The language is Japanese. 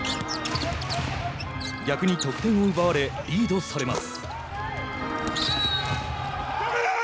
逆に得点を奪われリードされます。